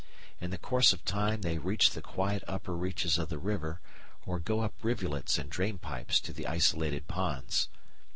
In the course of time they reach the quiet upper reaches of the river or go up rivulets and drainpipes to the isolated ponds.